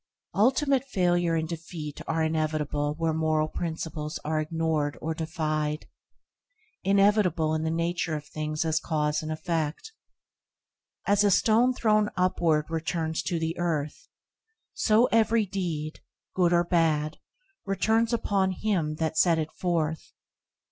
Ultimate failure and defeat are inevitable where moral principles are ignored or defied – inevitable in the nature of things as cause and effect. As a stone thrown upward returns to the earth, so every deed, good or bad, returns upon him that sent it forth.